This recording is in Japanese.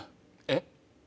えっ？